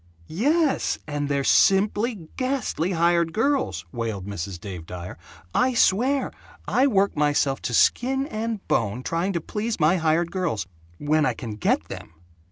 "Yes, and they're simply GHASTLY hired girls!" wailed Mrs. Dave Dyer. "I swear, I work myself to skin and bone trying to please my hired girls when I can get them!